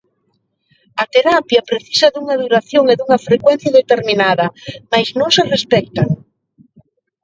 A terapia precisa dunha duración e dunha frecuencia determinada, mais non se respectan.